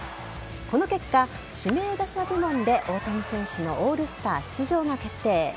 この結果、指名打者部門で大谷選手のオールスター出場が決定。